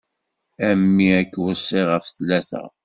A mmi ad k-weṣṣiɣ ɣef tlata.